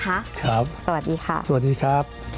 ครับสวัสดีค่ะสวัสดีครับสวัสดีครับ